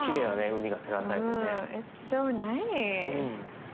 海が照らされてね。